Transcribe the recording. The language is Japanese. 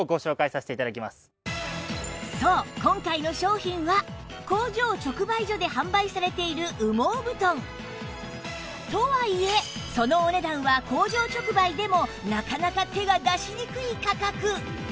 そう今回の商品は工場直売所で販売されている羽毛布団とはいえそのお値段は工場直売でもなかなか手が出しにくい価格